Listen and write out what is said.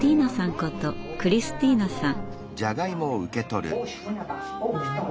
ことクリスティーナさん。